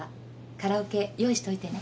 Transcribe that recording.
カラオケ用意しといてね。